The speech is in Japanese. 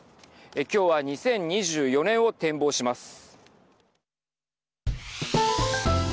今日は２０２４年を展望します。